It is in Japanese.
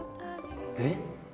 えっ？